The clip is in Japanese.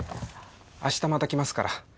あしたまた来ますから。